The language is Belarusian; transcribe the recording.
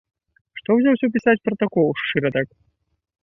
Што ўзяўся пісаць пратакол шчыра так?